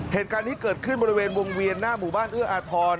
เหตุการณ์นี้เกิดขึ้นบริเวณวงเวียนหน้าหมู่บ้านเอื้ออาทร